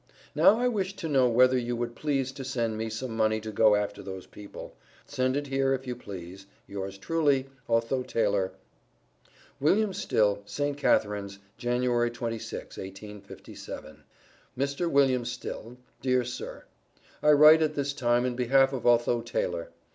Now I wish to know whether you would please to send me some money to go after those people. Send it here if you please. Yours truly, OTHO TAYLOR. WILLIAM STILL. ST. CATHARINES, Jan. 26, 1857. MR. WM. STILL: Dear Sir I write at this time in behalf of Otho Taylor.